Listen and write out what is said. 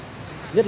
nhiều ngõ ngách